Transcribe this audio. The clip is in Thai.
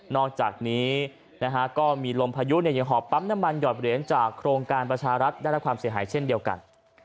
อกจากนี้ก็มีลมพายุยังหอบปั๊มน้ำมันหอดเหรียญจากโครงการประชารัฐได้รับความเสียหายเช่นเดียวกัน